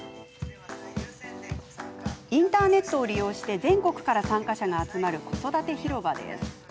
インターネットを利用して全国から参加者が集まる子育て広場です。